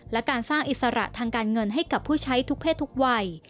และการสร้างอิสระทางการเงินให้กับผู้ใช้ทุกเพศทุกวัย